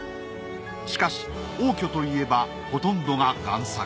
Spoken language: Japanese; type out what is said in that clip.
しかし応挙といえばほとんどが贋作。